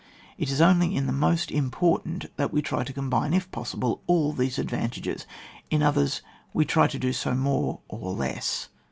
It is only in the most important that we tiy to com bine, if possible, all these advantages ; in others we try to do so more or less.